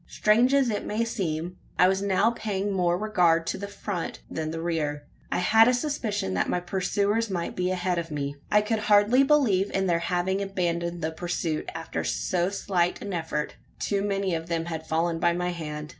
Strange as it may seem, I was now paying more regard to the front than the rear. I had a suspicion that my pursuers might be ahead of me. I could hardly believe in their having abandoned the pursuit, after so slight an effort. Too many of them had fallen by my hand.